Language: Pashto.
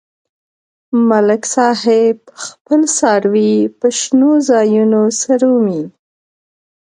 ملک صاحب خپل څاروي په شنو ځایونو څرومي.